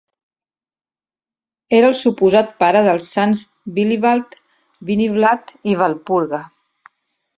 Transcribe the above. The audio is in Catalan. Era el suposat pare dels sants Willibald, Winiblad i Walpurga.